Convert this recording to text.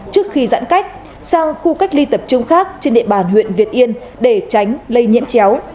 trước khi giãn cách sang khu cách ly tập trung khác trên địa bàn huyện việt yên để tránh lây nhiễm chéo